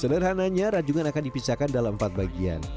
sederhananya rajungan akan dipisahkan dalam empat bagian